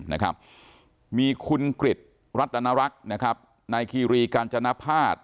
นะครับมีคุณกริจรัตนรักษ์นะครับนายคีรีกาญจนภาษณ์